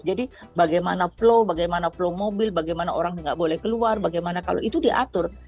jadi bagaimana flow bagaimana flow mobil bagaimana orang nggak boleh keluar bagaimana kalau itu diatur